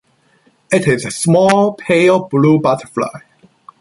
It is a small, pale blue butterfly.